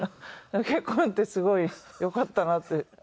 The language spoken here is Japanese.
結婚ってすごいよかったなって。